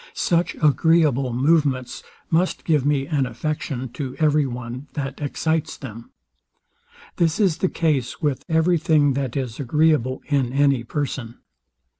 Such agreeable movements must give me an affection to every one that excites them. This is the case with every thing that is agreeable in any person.